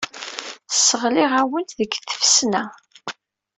Sseɣliɣ-awent deg tfesna.